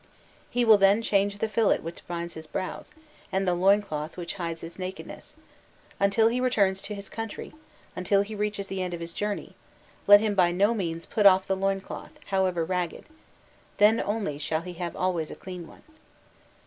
He will then change the fillet which binds his brows, and the loin cloth which hides his nakedness: until he returns to his country, until he reaches the end of his journey, let him by no means put off the loin cloth, however ragged; then only shall he have always a clean one.